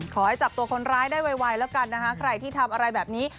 ขอให้จับตัวคนร้ายได้ไวแล้วกันนะคะใครที่ทำอะไรแบบนี้